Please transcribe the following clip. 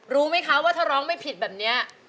รู้ไหมคะว่าถ้าร้องไม่ผิดแบบนี้